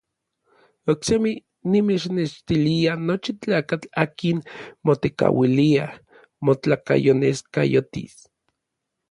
Oksemi nimechnextilia nochi tlakatl akin motekauilia motlakayoneskayotis.